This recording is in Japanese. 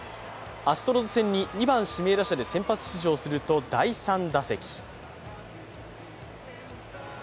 アストロズ戦に２番・指名打者で先発出場すると第３打席。